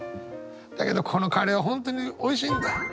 だけどこのカレーは本当に美味しいんだ。